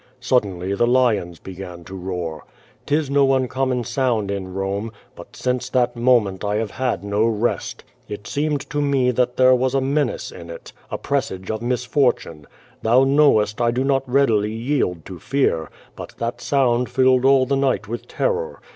Suddenly the lions began to roar. 'Tis no uncommon sound in Rome, but since that moment I have had no rest. It seemed to me there was a menace in it, a presage of misfortune. Thou knowest I do not readily yield to fear, but that sound filled all the night with terror.